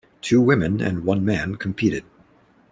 Two women and one man competed.